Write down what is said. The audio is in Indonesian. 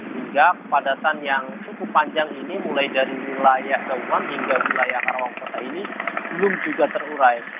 hingga kepadatan yang cukup panjang ini mulai dari wilayah gawang hingga wilayah karawang kota ini belum juga terurai